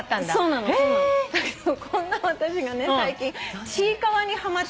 だけどこんな私がね最近ちいかわにハマって。